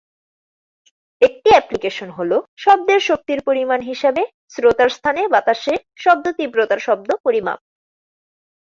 একটি অ্যাপ্লিকেশন হ'ল শব্দের শক্তির পরিমাণ হিসাবে শ্রোতার স্থানে বাতাসে শব্দ তীব্রতার শব্দ পরিমাপ।